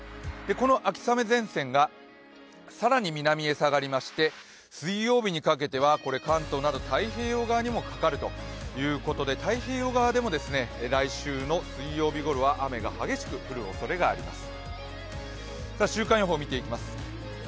この秋雨前線が更に南へ下がりまして水曜日にかけては、関東など太平洋側にもかかるということで太平洋側でも来週の水曜日ごろは雨が激しく降るおそれかあります。